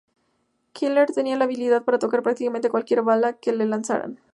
Keeler tenía la habilidad para tocar prácticamente cualquier bola que le lanzaran.